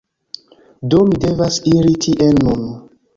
Do mi devas iri tien nun.